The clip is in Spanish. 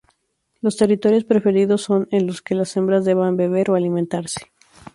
Los territorios preferidos son en los que las hembras deban beber o alimentarse.